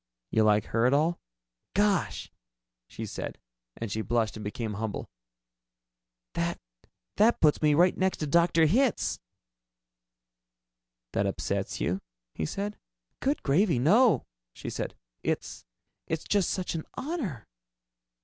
"You like her at all?" "Gosh " she said, and she blushed and became humble "that that puts me right next to Dr. Hitz." "That upsets you?" he said. "Good gravy, no!" she said. "It's it's just such an honor."